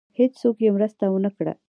هېڅوک یې مرسته ونه کړه.